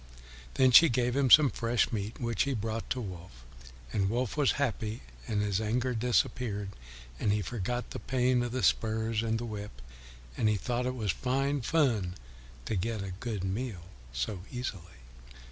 Then she gave him some fresh meat, which he brought to Wolf. And Wolf was happy, and his anger disappeared, and he forgot the pain of the spurs and the whip, and he thought it was fine fun to get a good meal so easily.